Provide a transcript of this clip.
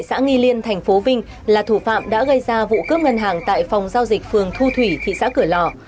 xã nghi liên thành phố vinh là thủ phạm đã gây ra vụ cướp ngân hàng tại phòng giao dịch phường thu thủy thị xã cửa lò